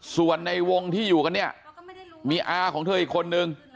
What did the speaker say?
ส่วนในวงที่อยู่กันเนี่ยมีอาของเธออีกคนนึง